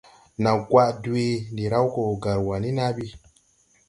Naw gwaʼ dwee, ndi raw go Garua ni na bi.